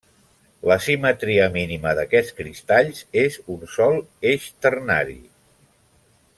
La simetria mínima d'aquests cristalls és un sol eix ternari.